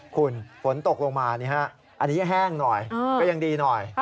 คุณฝนตกลงมาอันนี้แห้งหน่อยก็ยังดีหน่อย